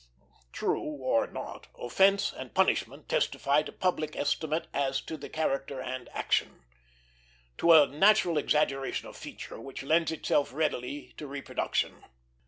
True or not, offence and punishment testify to public estimate as to character and action; to a natural exaggeration of feature which lends itself readily to reproduction.